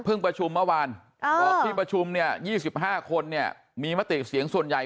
เพิ่งประชุมเมื่อวานบอกที่ประชุม๒๕คนมีมติเสียงส่วนใหญ่